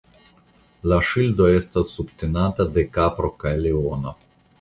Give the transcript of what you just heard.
La ŝildo estas subtenata de kapro kaj leono.